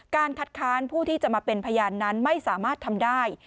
การคัดค้านผู้ที่จะมาเป็นพยานนั้นไม่สามารถทำได้